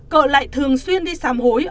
cỡ lại thường xuyên đi xám hối